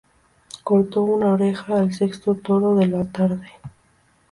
Cortó una oreja al sexto toro de la tarde.